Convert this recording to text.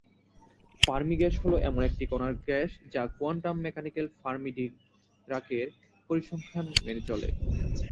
Fermi gas হলো এমন একটি কণার গ্যাস যা কোয়ান্টাম মেকানিকাল ফার্মি-ডািরাকের পরিসংখ্যান মেনে চলে।